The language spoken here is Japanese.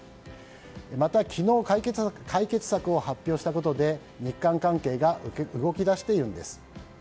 また昨日、解決策を発表したことで日韓関係が動き出しているんです。